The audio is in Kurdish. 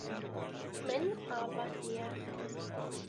Min avandiye.